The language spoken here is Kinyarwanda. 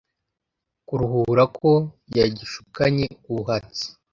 karuhura ko yagishukanye ubuhatsi